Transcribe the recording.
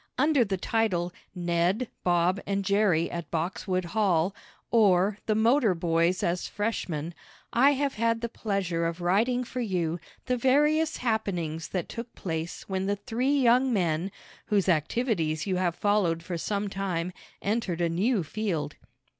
Under the title "Ned, Bob and Jerry at Boxwood Hall; Or, The Motor Boys as Freshmen," I have had the pleasure of writing for you the various happenings that took place when the three young men, whose activities you have followed for some time, entered a new field.